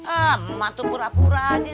ah mak tuh pura pura aja